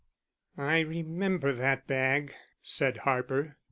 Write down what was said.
"I remember that bag," said Harper.